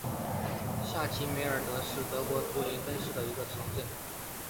下齐梅尔恩是德国图林根州的一个市镇。